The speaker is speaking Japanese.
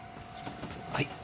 はい。